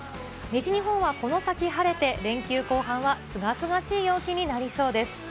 西日本はこの先晴れて連休後半はすがすがしい陽気になりそうです。